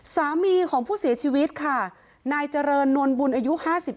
สามีของผู้เสียชีวิตค่ะนายเจริญนวลบุญอายุ๕๓